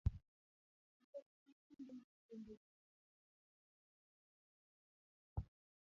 Nikech gin kuonde ma thuonde gi t dakie, suna gikelo tuoche koda tho.